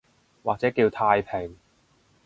或者叫太平